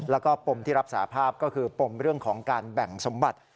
แล้วก็ปมที่รับสาภาพก็คือปมเรื่องของการแบ่งสมบัติ